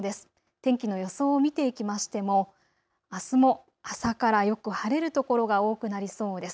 天気の予想を見ていきましてもあすも朝からよく晴れるところが多くなりそうです。